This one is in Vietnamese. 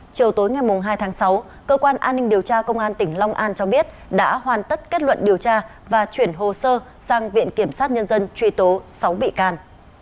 chiều tối ngày hai tháng sáu cơ quan an ninh điều tra công an tỉnh long an cho biết đã hoàn tất kết luận điều tra và chuyển hồ sơ sang viện kiểm sát nhân dân truy tố sáu bị can